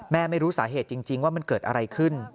ไม่รู้สาเหตุจริงว่ามันเกิดอะไรขึ้น